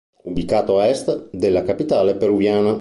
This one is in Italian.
Ubicato a est della capitale peruviana.